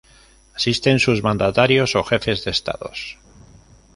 Asisten sus mandatarios o jefes de estados.